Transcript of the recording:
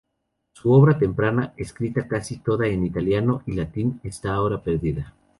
Su obra temprana -escrita casi toda en italiano y latin- está ahora perdida.